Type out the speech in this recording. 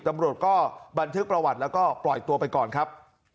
ตำรวจก็บันทึกประวัติแล้วก็ปล่อยตัวไปก่อนครับ